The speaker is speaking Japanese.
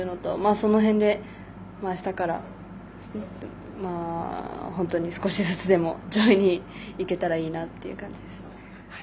その辺で、あしたから本当に少しずつでも上位にいけたらいいなという感じですね。